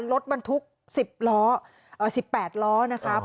รถบรรทุก๑๐ล้อ๑๘ล้อนะครับ